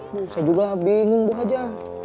bisa juga bingung bu aja